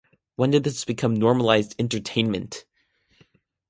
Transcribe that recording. When did this become normalized 'entertainment'?